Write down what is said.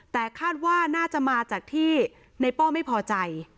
แต่คาดว่าน่าจะมาจากที่ในป้อไม่พอใจ